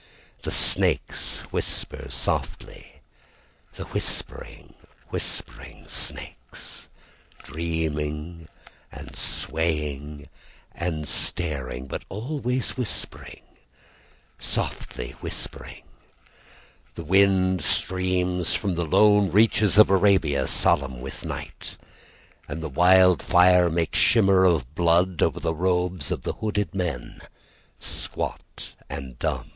The snakes whisper softly; The whispering, whispering snakes, Dreaming and swaying and staring, But always whispering, softly whispering. The wind streams from the lone reaches Of Arabia, solemn with night, And the wild fire makes shimmer of blood Over the robes of the hooded men Squat and dumb.